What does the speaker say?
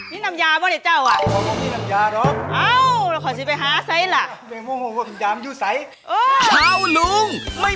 มีน้ำยาบ้างได้